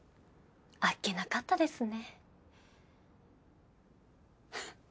あっけなかったですね。